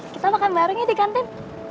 kita makan bareng ya di kantin